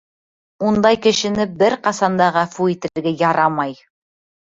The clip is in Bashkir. Ундай кешене бер ҡасан да ғәфү итергә ярамай.